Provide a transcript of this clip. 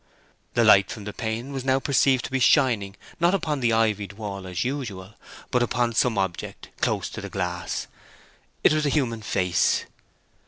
The light from the pane was now perceived to be shining not upon the ivied wall as usual, but upon some object close to the glass. It was a human face.